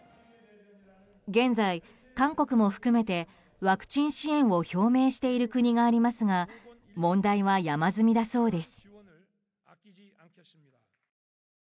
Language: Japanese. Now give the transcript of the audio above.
現在、韓国も含めてワクチン支援を表明している国がありますが問題は山積みだそうです。